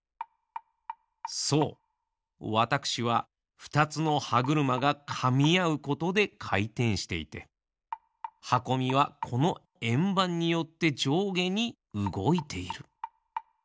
そうわたくしはふたつのはぐるまがかみあうことでかいてんしていてはこみはこのえんばんによってじょうげにうごいている。